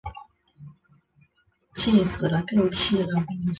韩国驻日本大使列表列出历任所有驻日本的韩国大使。